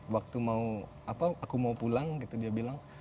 waktu aku mau pulang dia bilang